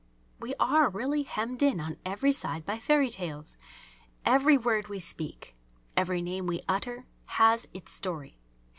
We are really hemmed in on every side by fairy tales. Every word we speak, every name we utter, has its story.